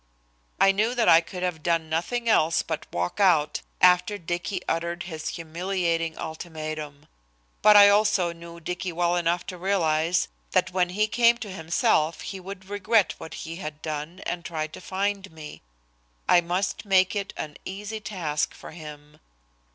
I knew that I could have done nothing else but walk out after Dicky uttered his humiliating ultimatum. But I also knew Dicky well enough to realize that when he came to himself he would regret what he had done and try to find me. I must make it an easy task for him.